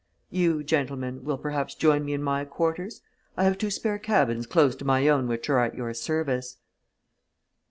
You, gentlemen, will perhaps join me in my quarters? I have two spare cabins close to my own which are at your service."